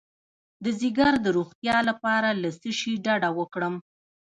د ځیګر د روغتیا لپاره له څه شي ډډه وکړم؟